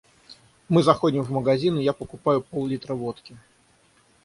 Мы заходим в магазин, и я покупаю пол-литра водки.